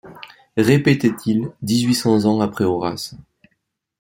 répétait-il, dix-huit cents ans après Horace.